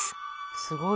すごい。